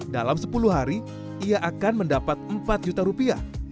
dalam sepuluh hari ia akan mendapat empat juta rupiah